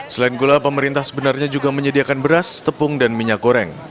selain gula pemerintah sebenarnya juga menyediakan beras tepung dan minyak goreng